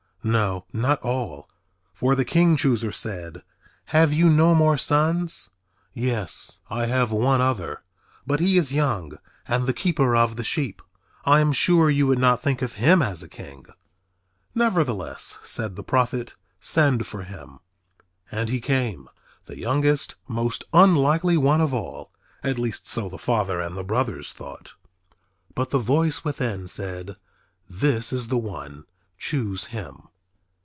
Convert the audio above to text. No, not all. For the king chooser said, "Have you no more sons?" "Yes, I have one other, but he is young and the keeper of the sheep. I am sure you would not think of him as a king." "Nevertheless," said the prophet, "send for him." And he came, the youngest, the most unlikely one of all, at least so the father and the brothers thought. But the voice within said, "This is the one, choose him."